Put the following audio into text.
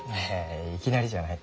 いきなりじゃない。